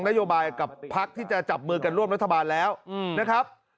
นโยบายกับพักที่จะจับมือกันร่วมรัฐบาลแล้วนะครับ